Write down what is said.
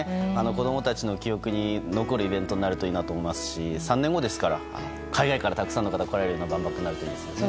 子供たちの記憶に残るイベントになるといいと思いますし３年後ですから海外からたくさんの方が来られるような万博になるといいですね。